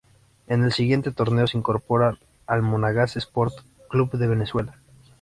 En el siguiente torneo se incorpora al Monagas Sport Club de Venezuela.